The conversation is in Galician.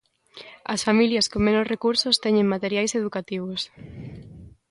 As familias con menos recursos teñen materiais educativos.